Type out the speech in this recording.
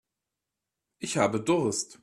Ich habe Durst.